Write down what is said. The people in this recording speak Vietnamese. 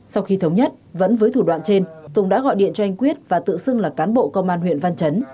sau khi thống nhất vẫn với thủ đoạn trên tùng đã gọi điện cho anh quyết và tự xưng là cán bộ công an huyện văn chấn